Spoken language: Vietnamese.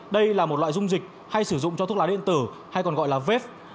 đây là một loại dung dịch hay sử dụng cho thuốc lá điện tử hay còn gọi là vết